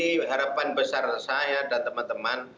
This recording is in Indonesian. ini harapan besar saya dan teman teman